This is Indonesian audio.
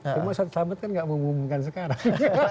cuma ustaz selamat kan nggak mengumumkan sekarang